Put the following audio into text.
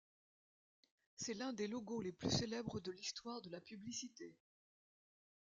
C'est l'un des logos les plus célèbres de l'histoire de la publicité.